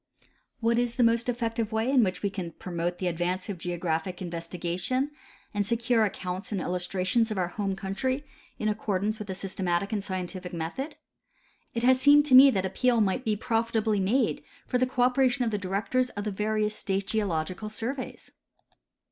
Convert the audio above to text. What is the most effective way in which we can. promote the advance of geographic investigation and secure accounts and illustrations of our home country iu accordance with a system atic and scientific method? It has seemed to me that appeal might be profitably made for the cooperation of the directors of the various state geological surveys.